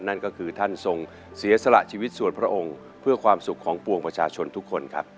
นั่นก็คือท่านทรงเสียสละชีวิตส่วนพระองค์เพื่อความสุขของปวงประชาชนทุกคนครับ